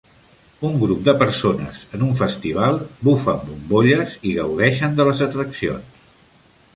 Un grup de persones en un festival bufen bombolles i gaudeixen de les atraccions.